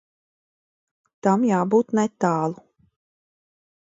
Tam jābūt netālu.